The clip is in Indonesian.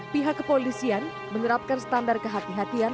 pihak kepolisian menerapkan standar kehati hatian